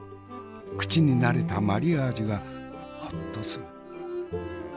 口に慣れたマリアージュがホッとする。